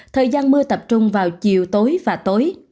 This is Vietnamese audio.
thời gian mưa tập trung vào chiều tối và tối